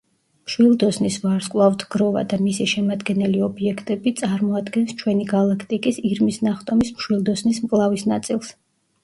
მშვილდოსნის ვარსკვლავთგროვა და მისი შემადგენელი ობიექტები წარმოადგენს ჩვენი გალაქტიკის, „ირმის ნახტომის“ მშვილდოსნის მკლავის ნაწილს.